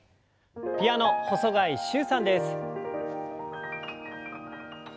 ピアノ細貝柊さんです。